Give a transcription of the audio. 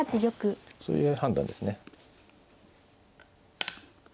そういう判断ですね。